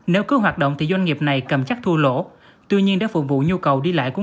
nếu cứ hoạt động thì doanh nghiệp này cầm chắc thua lỗ tuy nhiên để phục vụ nhu cầu đi lại của